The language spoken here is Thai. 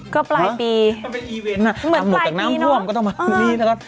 ก็ปลายปีมันเป็นอีเวนฮะอ้าวหมดจากน้ำห้วมก็ต้องมาตรงนี้นะครับ